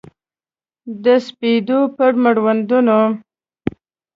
د سپېدو پر مړوندونو